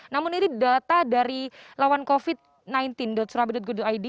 namun ini data dari lawancovid sembilan belas surabaya gov id